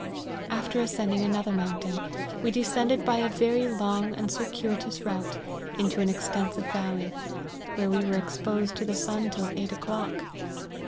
After ascending another mountain, we descended by a very long and circuitous route into an extensive valley, where we were exposed to the sun till eight o'clock.